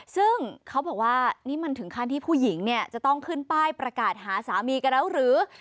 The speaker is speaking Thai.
ซึ่งเขาบอกว่านี่มันถึงขั้นที่ผู้หญิงเนี่ยจะต้องขึ้นป้ายประกาศหาสามีกันแล้วหรือ